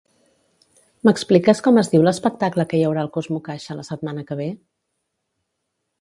M'expliques com es diu l'espectacle que hi haurà al CosmoCaixa la setmana que ve?